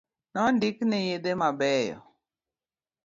Nondikne yedhe mabeyo